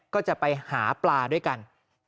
ก็จะไปหาปลาด้วยกัน